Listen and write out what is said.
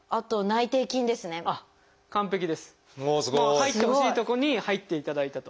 入ってほしいとこに入っていただいたと。